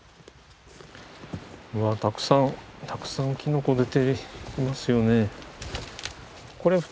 うわたくさんたくさんきのこ出ていますよね。